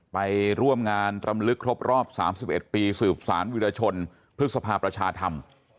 ไปร่วมงานรำลึกครบรอบ๓๑ปีสืบสารวิรชนพฤษภาประชาธรรม